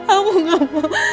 aku gak mau